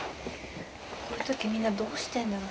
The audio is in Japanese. こういう時みんなどうしてんだろ？